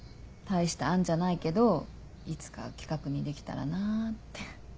大した案じゃないけどいつか企画にできたらなって。